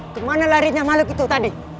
kemana larinya makhluk itu tadi